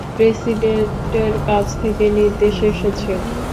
প্রেসিডেন্টের কাছ থেকে নির্দেশ এসেছে।